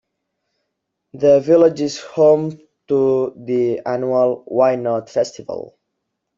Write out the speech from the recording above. The village is home to the annual Y Not Festival.